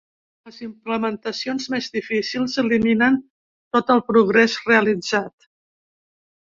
Les implementacions més difícils eliminen tot el progrés realitzat.